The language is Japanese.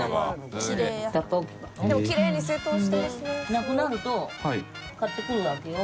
なくなると買ってくるわけよ。